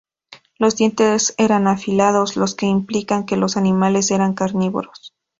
Los dientes eran afilados, lo que implica que estos animales eran carnívoros.